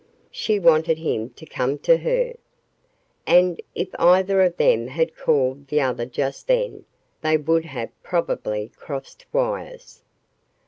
She wanted him to come to her. And, if either of them had called the other just then, they would have probably crossed wires.